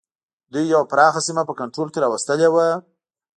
دوی یوه پراخه سیمه په کنټرول کې را وستلې وه.